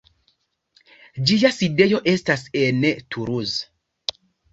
Ĝia sidejo estas en Toulouse.